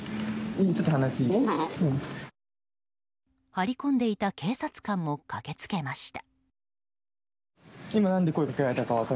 張り込んでいた警察官も駆けつけました。